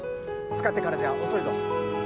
つかってからじゃ遅いぞ。